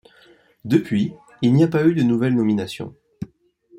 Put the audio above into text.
Depuis, il n'y a pas eu de nouvelles nominations.